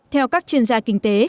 theo các chuyên gia kinh tế